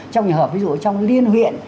trong hợp ví dụ trong liên huyện